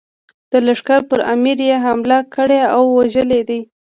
د لښکر پر امیر یې حمله کړې او وژلی دی.